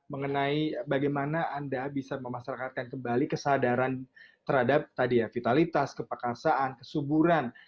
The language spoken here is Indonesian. mengenai bagaimana anda bisa memasrakatkan kembali kesadaran terhadap tadi ya vitalitas kepekasaan kesuburan